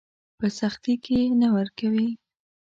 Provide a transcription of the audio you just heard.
په سختي يې نه ورکوي.